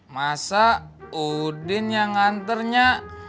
masa udin yang anter nyak